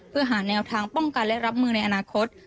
เพื่อหาแนวทางป้องกันและรับมือในอนาคต